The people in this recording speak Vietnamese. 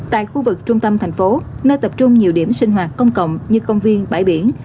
tại khu vực trung tâm thành phố nơi tập trung nhiều điểm sinh hoạt công cộng như công viên bãi biển